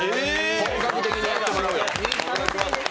本格的にやってもらうよ。